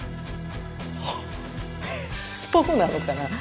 あそうなのかな？